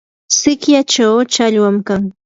sikyachaw challwam kan.